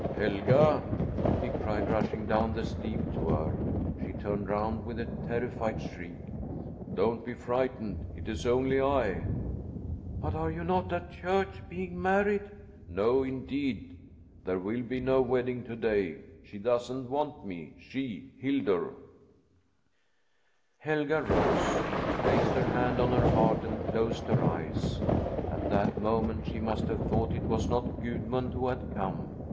"Helga!" he cried, rushing down the steep to her. She turned round with a terrified shriek. "Don't be frightened! It is only I." "But are you not at church being married?" "No, indeed! There will be no wedding to day. She doesn't want me she Hildur." Helga rose. She placed her hand on her heart and closed her eyes. At that moment she must have thought it was not Gudmund who had come.